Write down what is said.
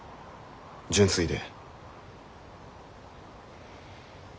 純粋で。